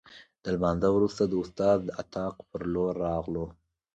له لمانځه وروسته د استاد د اتاق په لور راغلو.